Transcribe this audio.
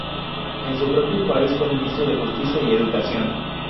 En su propio país, fue ministro de Justicia y Educación.